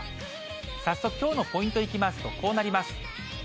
早速きょうのポイントいきますと、こうなります。